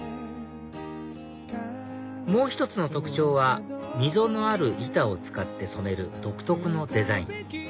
もう１つの特徴は溝のある板を使って染める独特のデザイン